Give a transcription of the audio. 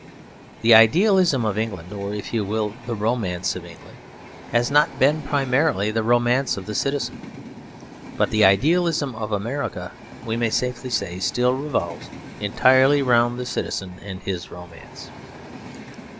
The idealism of England, or if you will the romance of England, has not been primarily the romance of the citizen. But the idealism of America, we may safely say, still revolves entirely round the citizen and his romance.